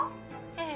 うん」